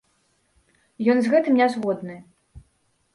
Ён з гэтым не згодны.